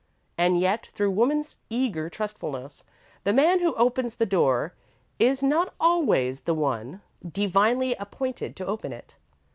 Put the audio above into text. And yet, through woman's eager trustfulness, the man who opens the door is not always the one divinely appointed to open it.